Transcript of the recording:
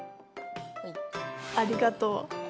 ありがとう。